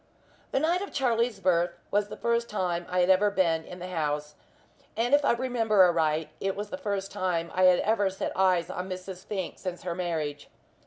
The night of Charlie's birth was the first time I had ever been in the house, and if I remember aright it was the first time I had ever set eyes on Mrs. Fink since her marriage.